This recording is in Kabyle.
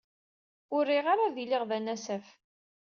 Ur riɣ ara ad iliɣ d anasaf.